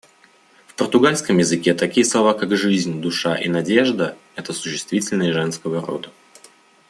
В португальском языке такие слова, как жизнь, душа и надежда, — это существительные женского рода.